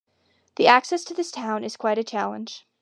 The access to this town is quite a challenge.